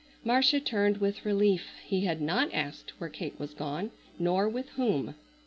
Marcia turned with relief. He had not asked where Kate was gone, nor with whom.